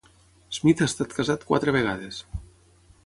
Smith ha estat casat quatre vegades.